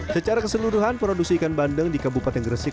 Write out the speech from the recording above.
secara keseluruhan produksi ikan bandeng di kabupaten gresik